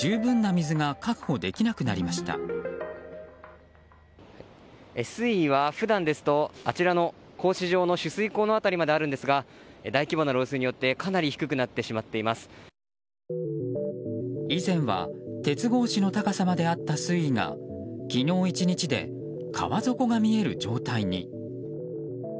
水位は普段ですとあちらの格子状の取水口の辺りまであるんですが大規模な漏水によって以前は鉄格子の高さまであった水位が昨日１日で川底が見える状態に。